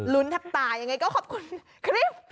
ลุ้นทักตายังไงก็ขอบคุณคริ๊บ